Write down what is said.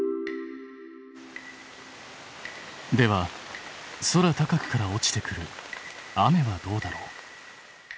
では空高くから落ちてくる雨はどうだろう？